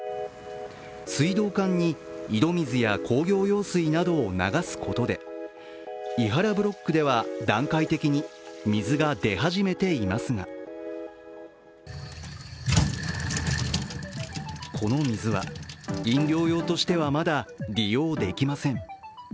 水道管に井戸水や工業用水などを流すことで庵原ブロックでは段階的に水が出始めていますがこの水は飲料用としてはまだ利用できません。